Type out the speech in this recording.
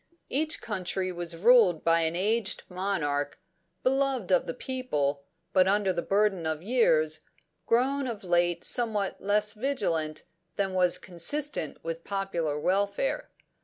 Each country was ruled by an aged monarch, beloved of the people, but, under the burden of years, grown of late somewhat less vigilant than was consistent with popular welfare.